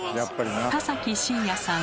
田崎真也さん